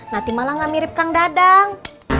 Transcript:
nanti malah gak mirip kang dadang